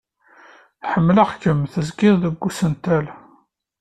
Ḥemmleɣ-kem tezgiḍ deg usentel.